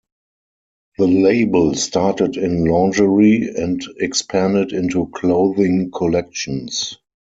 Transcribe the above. The label started in lingerie and expanded into clothing collections.